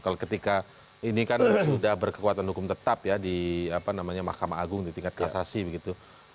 kalau ketika ini kan sudah berkekuatan hukum tetap ya di mahkamah agung di tingkat kasasi begitu